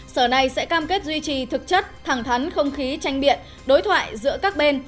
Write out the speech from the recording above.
sở này sẽ cam kết duy trì thực chất thẳng thắn không khí tranh biện đối thoại giữa các bên